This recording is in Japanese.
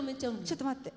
ちょっと待って。